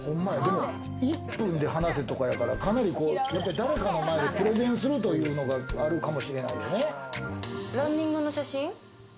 『１分で話せ』とかやから、誰かの前でプレゼンするというのがあるかもしれないよね。